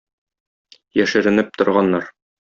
Яшеренеп торганнар.